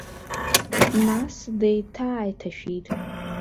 Нас деиҭааиҭашәеит.